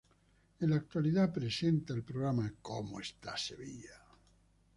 En la actualidad presenta el programa ¡Como está Sevilla!